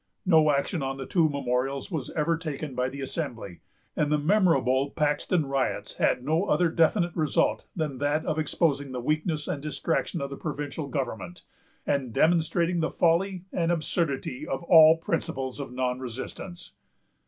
No action on the two memorials was ever taken by the Assembly; and the memorable Paxton riots had no other definite result than that of exposing the weakness and distraction of the provincial government, and demonstrating the folly and absurdity of all principles of non resistance.